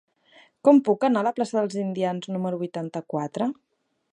Com puc anar a la plaça dels Indians número vuitanta-quatre?